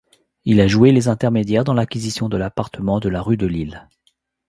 Il a joué les intermédiaires dans l’acquisition de l’appartement de la rue de Lille.